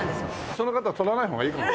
その方は採らない方がいいかも。